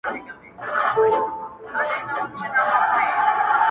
پرون مُلا وو کتاب پرانیستی.!